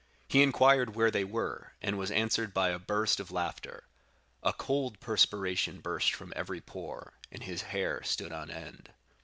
"He inquired where they were, and was answered by a burst of laughter. A cold perspiration burst from every pore, and his hair stood on end.